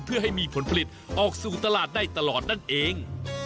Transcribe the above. เพื่อให้มีผลผลิตออกสู่ตลาดได้ตลอดนั่นเอง